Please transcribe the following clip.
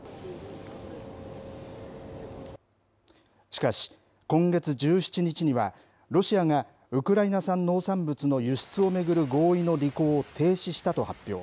しかし、今月１７日には、ロシアがウクライナ産農産物の輸出を巡る合意の履行を停止したと発表。